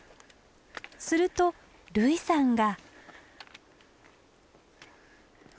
すると類さんが。